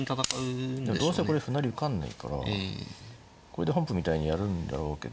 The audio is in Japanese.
どうせこれ歩成り受かんないからこれで本譜みたいにやるんだろうけど。